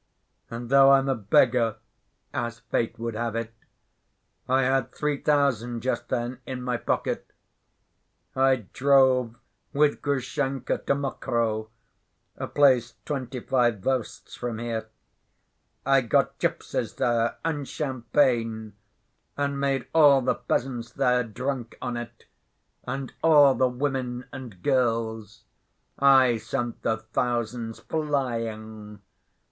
And though I'm a beggar, as fate would have it, I had three thousand just then in my pocket. I drove with Grushenka to Mokroe, a place twenty‐five versts from here. I got gypsies there and champagne and made all the peasants there drunk on it, and all the women and girls. I sent the thousands flying.